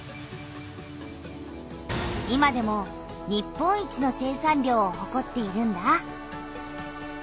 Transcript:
今でも日本一の生産量をほこっているんだ。